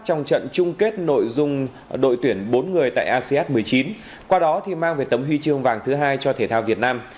trong trận chung kết nội dung đội tuyển bốn người tại asean một mươi chín qua đó mang về tấm huy chương vàng thứ hai cho thể thao việt nam